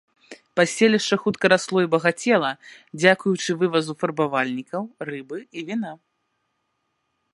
Паселішча хутка расло і багацела дзякуючы вывазу фарбавальнікаў, рыбы і віна.